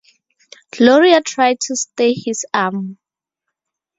Gloria tried to stay his arm.